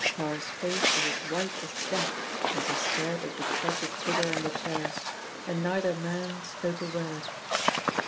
Parr's face was as white as death as he stared at the tragic figure in the chair, and neither man spoke a word.